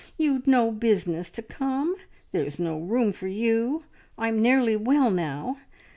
You'd no business to come. There's no room for you. I'm nearly well now.